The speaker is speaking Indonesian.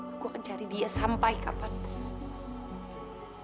aku akan cari dia sampai kapanpun